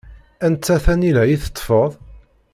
Anta tanila i teṭṭfeḍ?